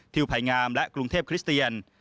ภัยงามและกรุงเทพคริสเตียน